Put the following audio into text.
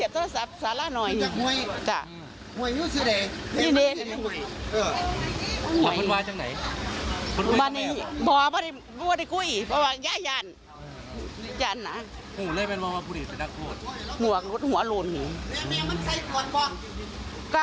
ต่อหอขำลังมาเลยเหรอครับ